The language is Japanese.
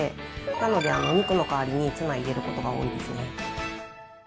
なので、お肉の代わりにツナ入れることが多いですね。